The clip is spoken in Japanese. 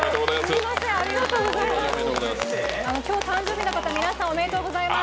今日、誕生日の方皆さん、おめでとうございます。